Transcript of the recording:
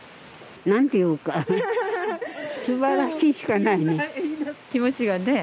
なんて言うかすばらしいしかない。気持ちがね